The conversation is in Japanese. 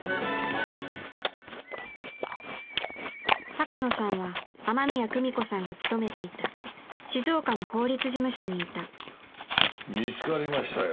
鷹野さんは雨宮久美子さんが勤めていた静岡の法律事務所にいた見つかりましたよ。